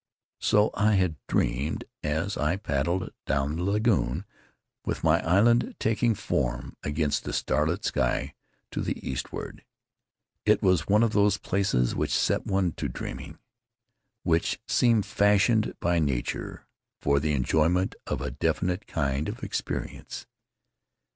So I had dreamed as I paddled down the lagoon, with my island taking form against the starlit sky to the eastward. It was one of those places which set one to dreaming, which seem fashioned by nature for the enjoyment of a definite kind of experience.